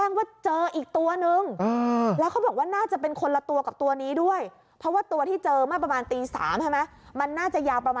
นี่เดี๋ยวฟังจังหวะที่เจ้าหน้าที่เขาหาหน่อยไหม